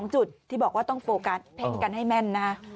จุดที่บอกว่าต้องโฟกัสเพ่งกันให้แม่นนะฮะ